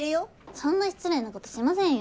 そんな失礼なことしませんよ。